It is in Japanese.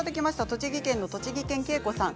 栃木県の栃木県ケイコさん。